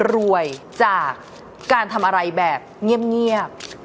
รวยจากการทำอะไรแบบเงียบ